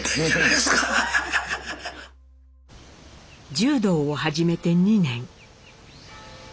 柔道を始めて２年。